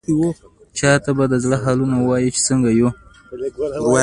چا ته به د زړه حالونه ووايو، چې څنګه يو؟!